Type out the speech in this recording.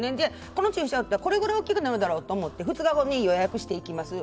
この注射を打ったらこれぐらい大きくなると思って２日後に予約して行きます。